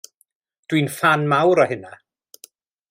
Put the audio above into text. Dw i'n ffan mawr o hynna.